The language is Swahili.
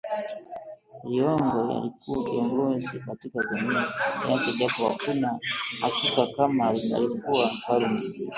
Liyongo alikuwa kiongozi katika jamii yake, japo hakuna hakika kama alikuwa mfalme